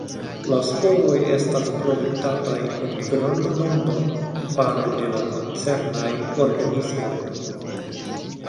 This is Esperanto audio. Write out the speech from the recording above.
La sporoj estas produktataj en granda nombro fare de la koncernaj organismoj.